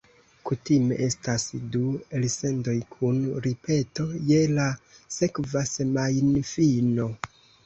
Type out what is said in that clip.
Kutime estas du elsendoj kun ripeto je la sekva semajnfino.